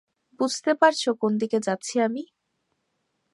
বুঝতে পারছো কোনদিকে যাচ্ছি আমি?